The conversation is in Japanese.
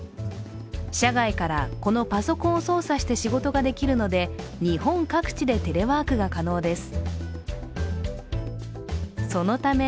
社外からこのパソコンを操作して仕事ができるので日本各地でテレワークが可能です。